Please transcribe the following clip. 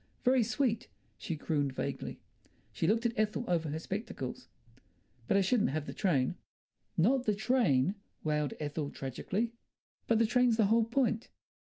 "Very sweet!" she crooned vaguely; she looked at Ethel over her spectacles. "But I shouldn't have the train." "Not the train!" wailed Ethel tragically. "But the train's the whole point."